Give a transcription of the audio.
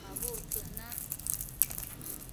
Abudtsëc na